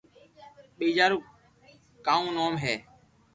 ٻيجا رو ڪاونو ھي